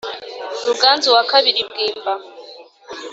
ruganzu wakabiri bwimba